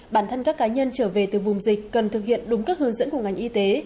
bản thân các cá nhân trở về từ vùng dịch cần thực hiện đúng các hướng dẫn của ngành y tế